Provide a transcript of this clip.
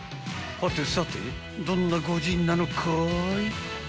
［はてさてどんなご仁なのかい？］